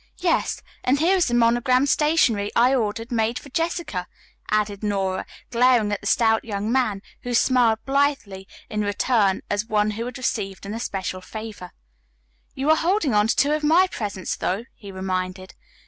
"Yes, and here is the monogrammed stationery I ordered made for Jessica," added Nora, glaring at the stout young man, who smiled blithely in return as one who had received an especial favor. "You are holding on to two of my presents, though," he reminded.